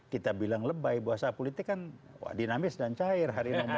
kita bilang lebay bahasa politik kan dinamis dan cair